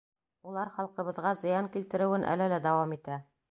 Улар халҡыбыҙға зыян килтереүен әле лә дауам итә.